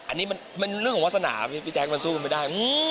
อันนี้มันเรื่องของวาสนามพี่แจ๊คมันสู้ไม่ได้